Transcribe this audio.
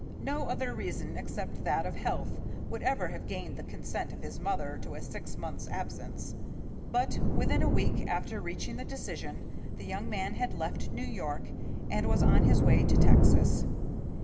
No other reason except that of health would ever have gained the consent of his mother to a six months' absence. But within a week after reaching the decision, the young man had left New York and was on his way to Texas.